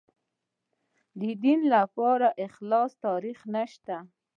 د دین لپاره خالص تاریخ نشته.